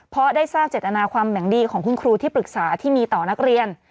เพราะได้ทราบเจตนาความหวังดีของคุณครูที่ปรึกษาที่มีต่อนักเรียน